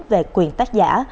về quyền tác giả